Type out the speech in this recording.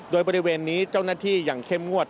โดยบริเวณนี้เจ้าหน้าที่อย่างเข้มงวด